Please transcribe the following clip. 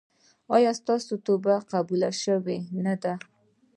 ایا ستاسو توبه قبوله شوې نه ده؟